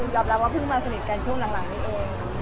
รับว่าเพิ่งมาสนิทกันช่วงหลังนี้เอง